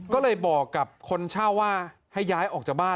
ก็เลยบอกกับคนเช่าว่าให้ย้ายออกจากบ้าน